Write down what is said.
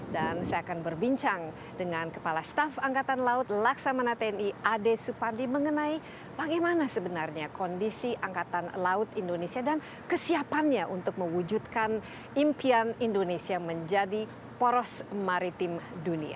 dan saya akan berbincang dengan kepala staf angkatan laut laksamana tni ade supandi mengenai bagaimana sebenarnya kondisi angkatan laut indonesia dan kesiapannya untuk mewujudkan impian indonesia menjadi poros maritim dunia